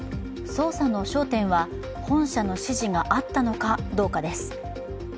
捜査の焦点は本社の指示があったのかどうかです。